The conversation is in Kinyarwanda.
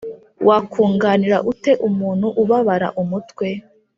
wakunganira ute umuntu ubabara umutwe